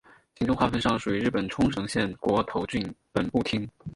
行政划分上属于日本冲绳县国头郡本部町。